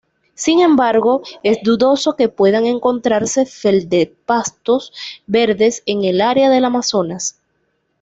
Sin embargo es dudoso que puedan encontrarse feldespatos verdes en el área del Amazonas.